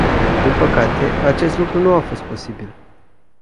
Din păcate, acest lucru nu a fost posibil.